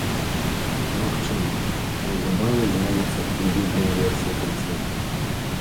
Магчыма, неўзабаве з'явіцца й відэаверсія канцэрту.